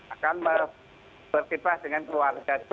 akan bersipah dengan keluarga saya